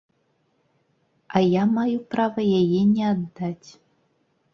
А я маю права яе не аддаць.